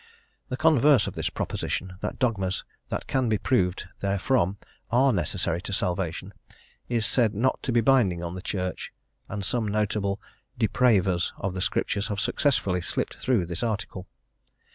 The converse of this proposition, that dogmas that can be proved therefrom are necessary to salvation, is said not to be binding on the Church, and some notable "depravers" of the Scriptures have successfully slipped through this Article.